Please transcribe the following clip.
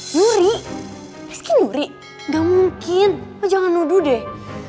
nyuri rizky nyuri gak mungkin lo jangan nuduh deh